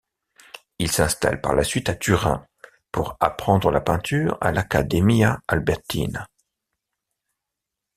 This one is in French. Il s'installe par la suite à Turin pour apprendre la peinture à l'Accademia Albertina.